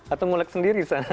atau ngulek sendiri disana